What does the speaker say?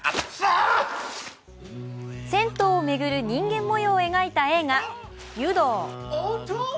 銭湯を巡る人間もようを描いた映画「湯道」。